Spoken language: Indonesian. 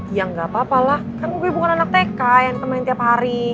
ya gapapa lah kan gue bukan anak teka yang temenin tiap hari